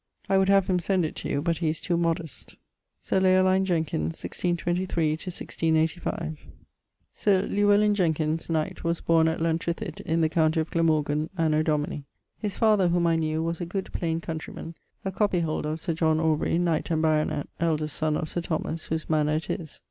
I would have him send it to you, but he is too modest. =Sir Leoline Jenkins= (1623 1685). Sir Lleuellin Jenkins, knight, was borne at Llantrithid in the countie of Glamorgan, anno domini.... His father (whom I knew) was a good plaine countreyman, a coppyholder of Sir John Aubrey, knight and baronet (eldest son of Sir Thomas), whose mannour it is.